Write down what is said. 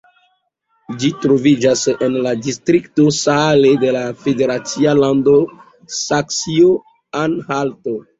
Ĝi troviĝas en la distrikto Saale de la federacia lando Saksio-Anhalto.